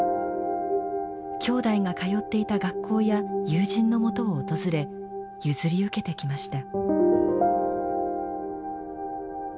きょうだいが通っていた学校や友人のもとを訪れ譲り受けてきました。